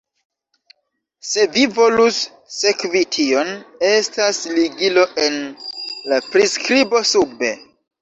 Se vi volus sekvi tion, estas ligilo en la priskribo sube.